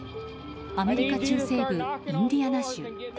アメリカ中西部インディアナ州。